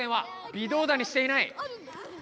びどうだにしていない。